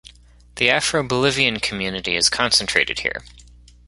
The Afro Bolivian community is concentrated here.